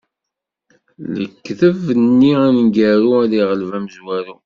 Lekdeb-nni aneggaru ad iɣleb amezwaru.